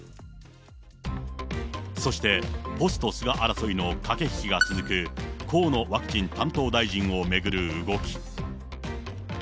そして、ポスト菅争いの駆け引きが続く河野ワクチン担当大臣を巡る動き。